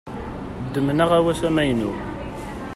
Ddmen aɣawas amaynu.